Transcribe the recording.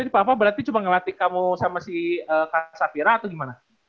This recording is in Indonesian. jadi papa berarti cuma ngelatih kamu sama si kak safira atau gimana